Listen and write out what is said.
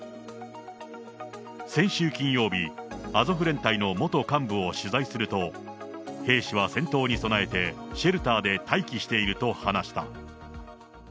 先週金曜日、アゾフ連隊の元幹部を取材すると、兵士は戦闘に備えて、シェルターで待機していると話した。